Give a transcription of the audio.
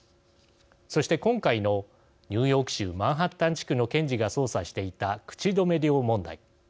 そして今回のニューヨーク州マンハッタン地区の検事が捜査していた口止め料問題。